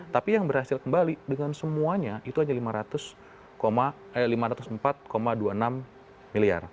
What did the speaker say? tapi yang berhasil kembali dengan semuanya itu hanya lima ratus empat dua puluh enam miliar